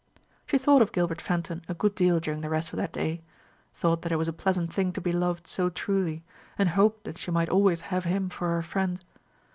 She thought of Gilbert Fenton a good deal during the rest of that day; thought that it was a pleasant thing to be loved so truly, and hoped that she might always have him for her friend.